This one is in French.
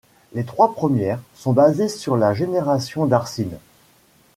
Les trois premières sont basées sur la génération d’arsine.